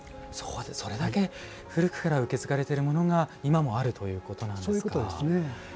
それだけ古くから受け継がれているものが今もあるということなんですね。